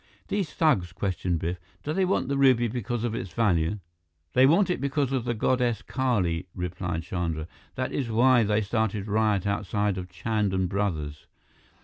"These thugs," questioned Biff, "do they want the ruby because of its value?" "They want it because of the goddess Kali," replied Chandra. "That is why they started riot outside of Chand and Brothers.